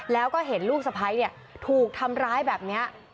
แล้วก็เห็นลูกสะพ้ายถูกทำร้ายแบบนี้